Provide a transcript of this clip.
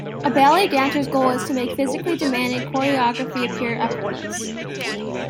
A ballet dancer's goal is to make physically demanding choreography appear effortless.